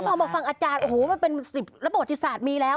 พอมาฟังอาจารย์โอ้โหมันเป็น๑๐ระบบศาสตร์มีแล้ว